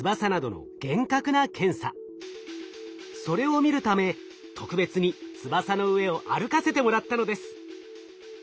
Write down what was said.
それを見るため特別に翼の上を歩かせてもらったのです。